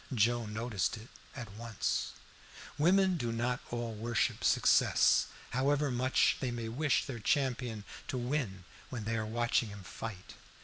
Joe noticed it at once. Women do not all worship success, however much they may wish their champion to win when they are watching him fight.